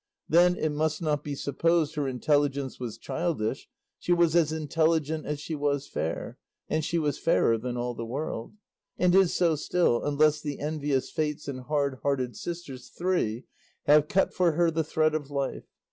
Then, it must not be supposed her intelligence was childish; she was as intelligent as she was fair, and she was fairer than all the world; and is so still, unless the envious fates and hard hearted sisters three have cut for her the thread of life.